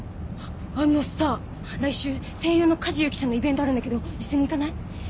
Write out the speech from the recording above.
あのさ来週声優の梶裕貴さんのイベントあるんだけど一緒に行かない？